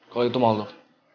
kalau gitu maulah